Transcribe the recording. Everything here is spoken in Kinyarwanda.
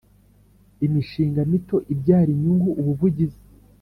Imishinga mito ibyara inyungu ubuvugizi